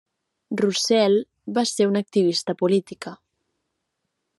Roussel va ser una activista política.